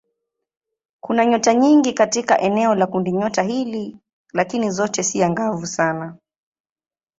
Kuna nyota nyingi katika eneo la kundinyota hili lakini zote si angavu sana.